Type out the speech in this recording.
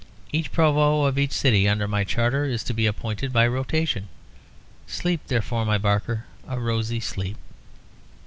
Each provost, of each city, under my charter, is to be appointed by rotation. Sleep, therefore, my Barker, a rosy sleep."